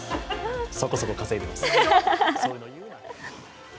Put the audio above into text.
そこそこ稼いでます。